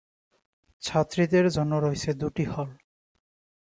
ছাত্রীদের জন্য রয়েছে দুটি হল।